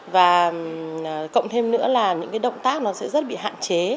và cộng thêm nữa là những cái động tác nó sẽ rất bị hạn chế